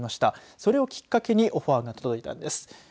それをきっかけにオファーが届いたんです。